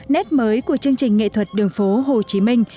nét mới của chương trình nghệ thuật đường phố hồ chí minh